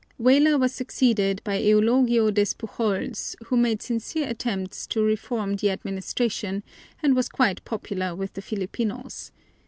Weyler was succeeded by Eulogio Despujols, who made sincere attempts to reform the administration, and was quite popular with the Filipinos.